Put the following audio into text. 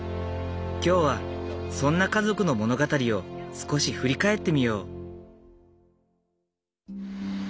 今日はそんな家族の物語を少し振り返ってみよう。